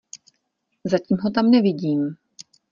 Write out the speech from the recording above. Zatím ho tam nevídím.